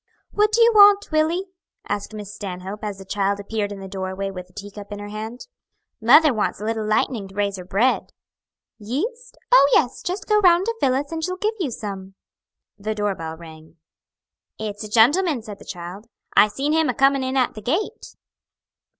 "What do you want, Willy?" asked Miss Stanhope, as the child appeared in the doorway with a teacup in her hand. "Mother wants a little light'ning to raise her bread." "Yeast? Oh, yes, just go round to Phillis, and she'll give you some." The door bell rang. "It's a gentleman," said the child, "I seen him a coming in at the gate."